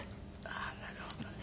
ああなるほどね。